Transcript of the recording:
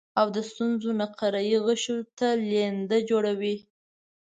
او د ستورو نقره يي غشو ته لینده جوړوي